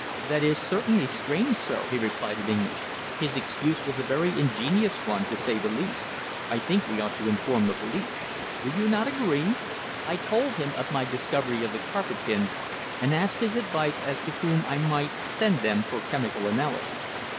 "That is certainly strange, sir," he replied in English. "His excuse was a very ingenious one, to say the least. I think we ought to inform the police. Do you not agree?" I told him of my discovery of the carpet pins, and asked his advice as to whom I might send them for chemical analysis.